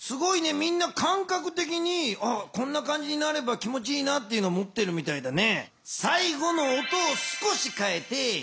みんなかんかくてきにこんな感じになれば気もちいいなっていうのもってるみたいだね。